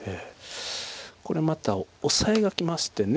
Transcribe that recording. これまたオサエがきまして。